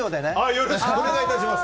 よろしくお願いします。